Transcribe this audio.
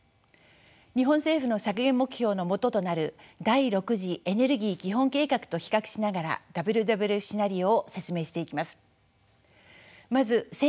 日本政府の削減目標の基となる第６次エネルギー基本計画と比較しながらＷＷＦシナリオを説明していきます。